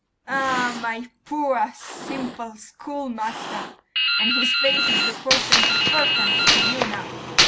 'Ah! my poor simple schoolmaster! And his fate is the portent of portents to you now!